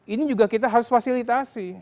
ini juga kita harus fasilitasi